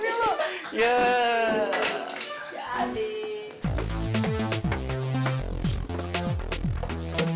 hah yaudah sini lo